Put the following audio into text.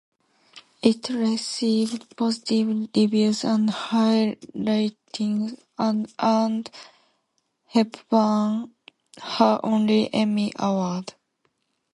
It received positive reviews and high ratings, and earned Hepburn her only Emmy Award.